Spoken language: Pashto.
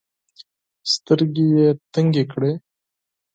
سترګي یې تنګي کړې .